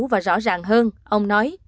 và rõ ràng hơn